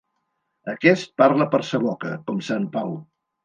Aquest parla per sa boca, com sant Pau.